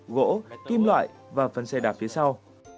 gỗ kim loại và phần xe đạp phía sau